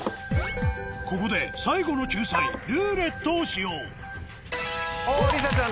ここで最後の救済「ルーレット」を使用おりさちゃん